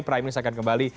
prime news akan kembali